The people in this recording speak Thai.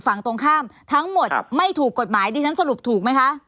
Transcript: ฝั่งตรงข้ามทั้งหมดไม่ถูกกฎหมายดิฉันสรุปถูกไหมคะ